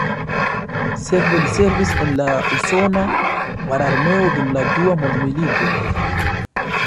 Sekve li servis en la usona mararmeo dum la Dua Mondmilito.